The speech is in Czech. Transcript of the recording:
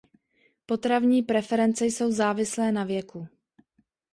Potravní preference jsou závislé na věku.